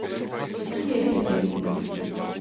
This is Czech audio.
Co se děje v Pekingu?